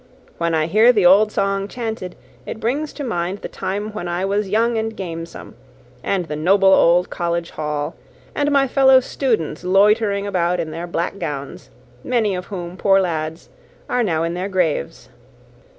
When I hear the old song chanted, it brings to mind the time when I was young and gamesome and the noble old college hall and my fellow students loitering about in their black gowns; many of whom, poor lads, are now in their graves!"